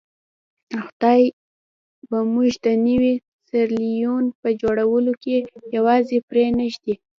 خدای به موږ د نوي سیریلیون په جوړولو کې یوازې پرې نه ږدي.